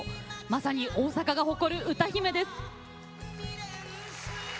まさに大阪の誇る歌姫です。